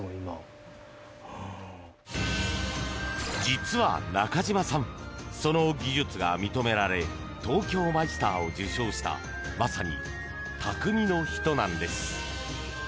実は中島さんその技術が認められ東京マイスターを受賞したまさに、たくみの人なんです。